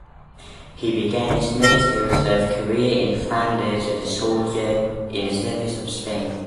He began his military serve career in Flanders as a soldier in the service of Spain.